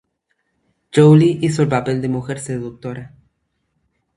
Jolie hizo el papel de mujer seductora.